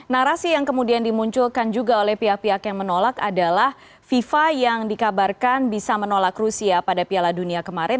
narasi yang kemudian dimunculkan juga oleh pihak pihak yang menolak adalah fifa yang dikabarkan bisa menolak rusia pada piala dunia kemarin